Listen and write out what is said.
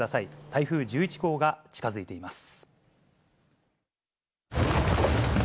台風１１号が近づいています。